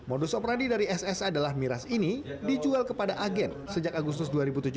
modus operandi dari ss adalah miras ini dijual kepada agen sejak agustus dua ribu tujuh belas